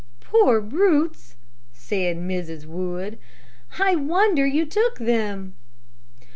"Poor brutes," said Mrs. Wood. "I wonder you took them."